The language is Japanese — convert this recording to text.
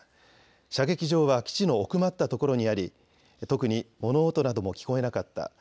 射撃場は基地の奥まったところにあり特に物音なども聞こえなかった。